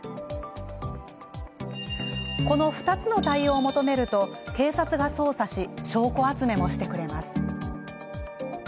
この２つの対応を求めると警察が捜査し証拠集めもしてくれます。